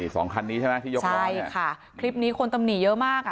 สองคันนี้ใช่ไหมที่ยกมาใช่ค่ะคลิปนี้คนตำหนีเยอะมากอ่ะ